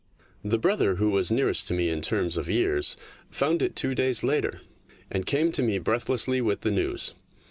The brother who was nearest to me in terms of years found it two days later, and came to me breathlessly with the news.